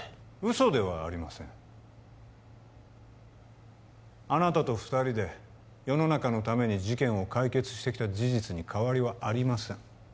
嘘ではありませんあなたと二人で世の中のために事件を解決してきた事実に変わりはありません